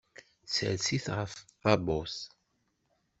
Ssers-it ɣef tdabut.